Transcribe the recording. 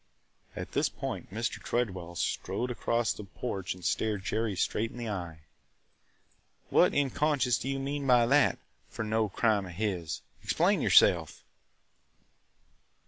At this point, Mr. Tredwell strode across the porch and stared Jerry straight in the eye. "What in conscience do you mean by that – 'for no crime of his'? Explain yourself!"